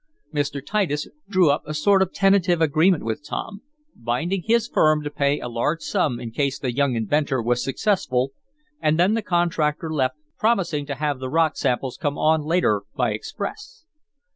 Mr. Titus drew up a sort of tentative agreement with Tom, binding his firm to pay a large sum in case the young inventor was successful, and then the contractor left, promising to have the rock samples come on later by express.